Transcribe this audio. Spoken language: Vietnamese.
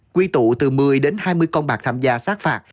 quy tụ từ một mươi đến hai mươi con bạc tham gia sát phạt